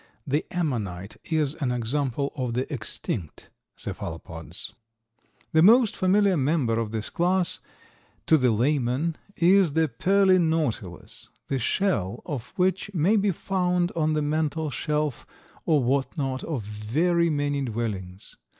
The Ammonite is an example of the extinct cephalopods. The most familiar member of this class to the layman is the Pearly Nautilus, the shell of which may be found on the mantel shelf or what not of very many dwellings.